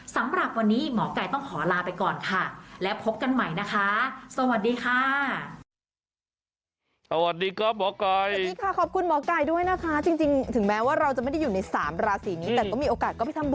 สำหรับวันนี้หมอไก่ต้องขอลาไปก่อนค่ะและพบกันใหม่นะคะสวัสดีค่ะ